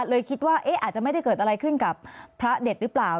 เลยคิดว่าอาจจะไม่ได้เกิดอะไรขึ้นกับพระเด็ดหรือเปล่า